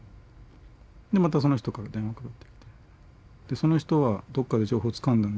でまたその人から電話かかってきてその人はどっかで情報をつかんだんでしょうね。